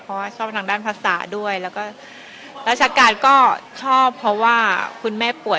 เพราะว่าชอบทางด้านภาษาด้วยแล้วก็ราชการก็ชอบเพราะว่าคุณแม่ป่วย